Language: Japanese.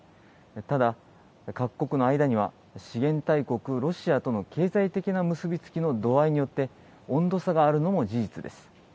ただ、各国の間には、資源大国ロシアとの経済的な結び付きの度合いによって、温度差があるのも事実です。